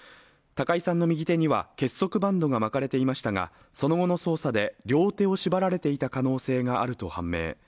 高井さんの右手には結束バンドが巻かれていましたがその後の捜査で、両手を縛られていた可能性があると判明。